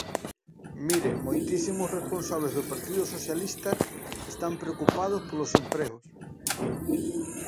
Mire, moitísimos responsables do Partido Socialista están preocupados polos empregos.